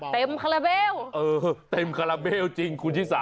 เต็มคาลาเบลคุณฟรรยาสาวอื้อเต็มคาลาเบลจริง